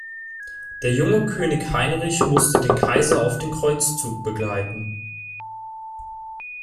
Der junge König Heinrich musste den Kaiser auf den Kreuzzug begleiten.